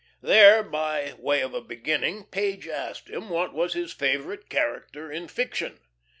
There, by way of a beginning, Page asked him what was his favourite character in fiction.